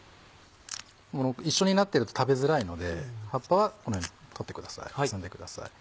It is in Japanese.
一緒になってると食べづらいので葉っぱはこのように取ってください摘んでください。